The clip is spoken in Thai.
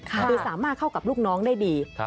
คือสามารถเข้ากับลูกน้องได้ดี